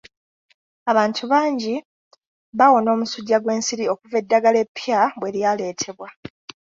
Abantu bangi bawona omusujja gw'ensiri okuva eddagala eppya bwe lyaleetebwa.